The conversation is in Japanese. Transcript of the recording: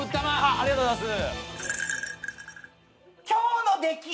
ありがとうございます！